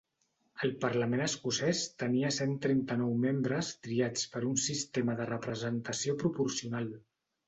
El parlament escocès tenia cent trenta-nou membres triats per un sistema de representació proporcional.